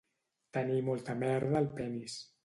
Tenir molta merda al penis